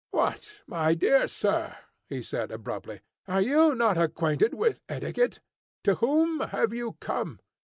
"What, my dear sir!" he said abruptly, "are you not acquainted with etiquette? To whom have you come?